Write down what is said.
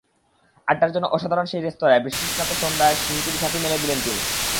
আড্ডার জন্য অসাধারণ সেই রেস্তোরাঁয় বৃষ্টিস্নাত সন্ধ্যায় স্মৃতির ঝাঁপি মেলে দিলেন তিনি।